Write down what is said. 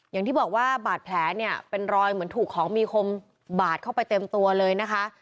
อย่างที่บอกว่าบาดแผลเนี่ยเป็นรอยเหมือนถูกของมีคมบาดเข้าไปเต็มตัวเลยนะคะ